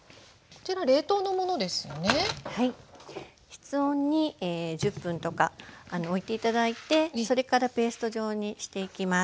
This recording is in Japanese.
室温に１０分とかおいて頂いてそれからペースト状にしていきます。